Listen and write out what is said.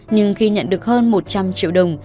nhưng khi nhận được hơn một trăm linh triệu đồng